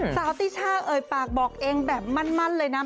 สาวติช่าเอ่ยปากบอกเองแบบมั่นเลยนะ